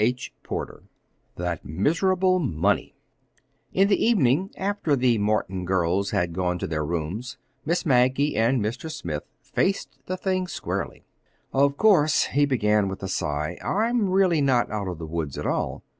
CHAPTER XXIV THAT MISERABLE MONEY In the evening, after the Martin girls had gone to their rooms, Miss Maggie and Mr. Smith faced the thing squarely. "Of course," he began with a sigh, "I'm really not out of the woods at all.